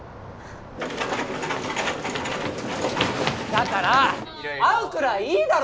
だから会うくらいいいだろ？